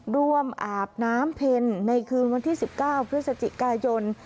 รวมอาบน้ำเพ็ญในคืนวันที่สิบเก้าเพื่อเศรษฐกายน